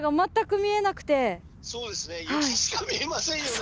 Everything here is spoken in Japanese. そうですね雪しか見えませんよね！